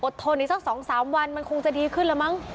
ทนอีกสัก๒๓วันมันคงจะดีขึ้นแล้วมั้ง